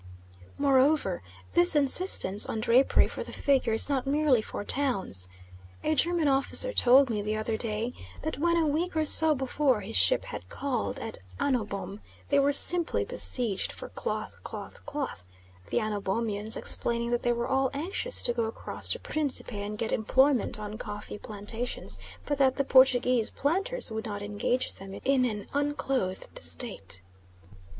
Moreover this insistence on drapery for the figure is not merely for towns; a German officer told me the other day that when, a week or so before, his ship had called at Anno Bom, they were simply besieged for "clo', clo', clo';" the Anno Bomians explaining that they were all anxious to go across to Principe and get employment on coffee plantations, but that the Portuguese planters would not engage them in an unclothed state.